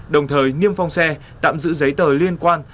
đồng thời niêm phong xe tạm giữ giấy tờ liên quan